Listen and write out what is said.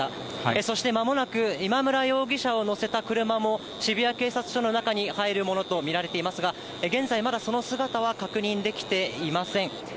そしてまもなく今村容疑者を乗せた車も、渋谷警察署の中に入るものと見られていますが、現在、まだその姿は確認できていません。